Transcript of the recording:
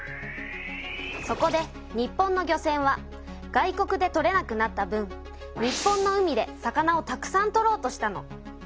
そこで日本の漁船は外国で取れなくなった分日本の海で魚をたくさん取ろうとしたの。